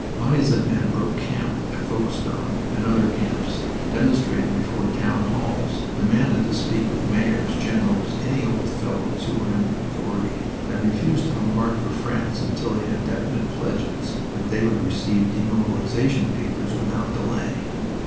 Bodies of men broke camp at Folkestone and other camps, demonstrated before town halls, demanded to speak with mayors, generals, any old fellows who were in authority, and refused to embark for France until they had definite pledges that they would receive demobilization papers without delay.